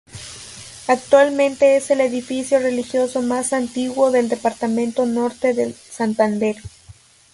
Actualmente es el edificio religioso más antiguo del departamento Norte de Santander.